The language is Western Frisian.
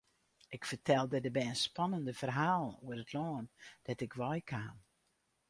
Ik fertelde de bern spannende ferhalen oer it lân dêr't ik wei kaam.